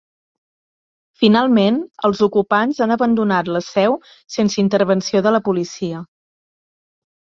Finalment, els ocupants han abandonat la seu sense intervenció de la policia.